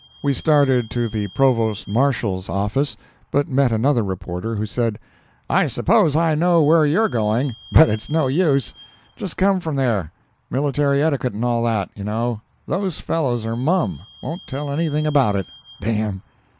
We started to the Provost Marshal's office, but met another reporter, who said: "I suppose I know where you're going, but it's no use—just come from there—military etiquette and all that, you know—those fellows are mum—won't tell anything about it—damn!"